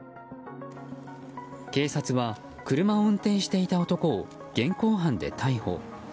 警察は、車を運転していた男を現行犯で逮捕。